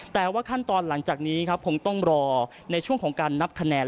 แต่ว่าขั้นตอนหลังจากนี้ครับคงต้องรอในช่วงของการนับคะแนน